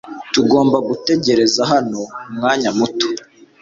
Tugomba gutegereza hano umwanya muto .